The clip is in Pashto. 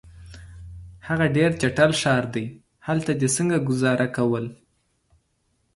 هغه ډېر چټل ښار دی، هلته دي څنګه ګذاره کول؟